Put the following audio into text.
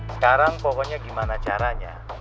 sekarang pokoknya gimana caranya